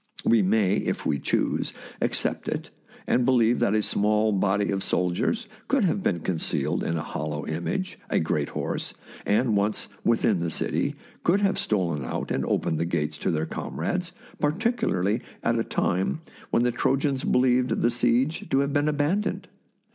We may, if we choose, ac cept it, and believe that a small body of sol diers could have been concealed in a hollow image, a great horse, and once within the city, could have stolen out and opened the gates to their comrades, particularly at a time when the Trojans believed the siege to have been abandoned.